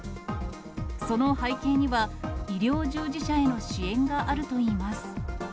その背景には、医療従事者への支援があるといいます。